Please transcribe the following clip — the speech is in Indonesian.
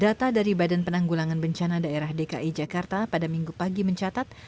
data dari badan penanggulangan bencana daerah dki jakarta pada minggu pagi mencatat